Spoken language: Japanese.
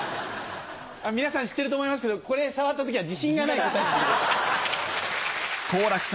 皆さん知ってると思いますけどこれ触った時は自信がない時。